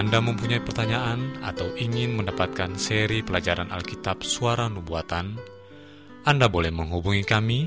dan sehat secara fisik